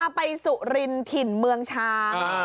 ไปสุรินถิ่นเมืองช้าง